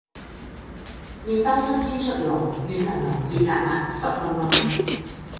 麵包新鮮出爐軟腍腍熱辣辣濕 𣲷𣲷